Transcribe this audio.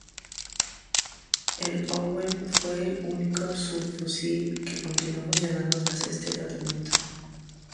El Owen fue el único subfusil que continuó funcionando tras este tratamiento.